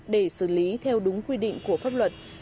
để xử lý theo đúng quy định của pháp luật